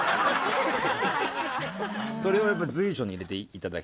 それをやっぱり随所に入れて頂きたいです。